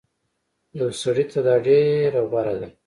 يو سړي ته دا ډير غوره ده